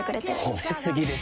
褒め過ぎですよ。